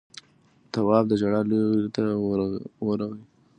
تواب د ژړا لورې ته ورغی.